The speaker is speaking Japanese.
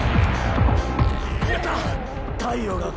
・やったッ！